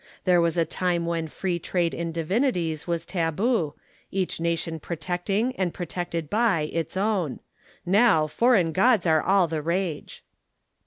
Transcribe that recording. There was a time when free trade in divinities was tabu, each nation protecting, and protected by, its own. Now foreign gods are all the rage."